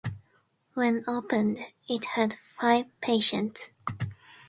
When opened, it had five patients.